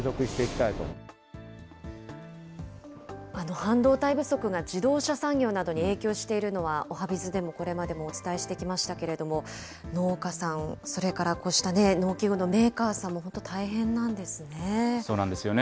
半導体不足が自動車産業などに影響しているのは、おはＢｉｚでもこれまでにお伝えしてきましたけれども、農家さん、それからこうした農機具のメーカーさんも、そうなんですよね。